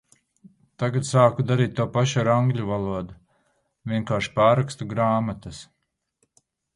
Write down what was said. Tagad sāku darīt to pašu ar angļu valodu. Vienkārši pārrakstu grāmatas.